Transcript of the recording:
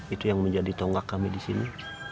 itu yang menjadi tonggak kami di sini